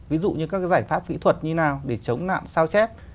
ví dụ như các cái giải pháp phỹ thuật như thế nào để chống nạn sao chép